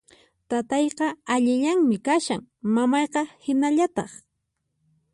Taytaqa allillanmi kashan, mamayqa hinallataq